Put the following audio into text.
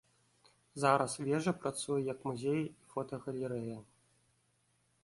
Зараз вежа працуе як музей і фотагалерэя.